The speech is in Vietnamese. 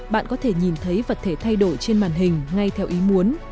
bạn có thể nhìn thấy vật thể thay đổi trên màn hình ngay theo ý muốn